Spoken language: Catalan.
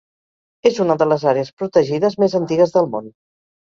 És una de les àrees protegides més antigues del món.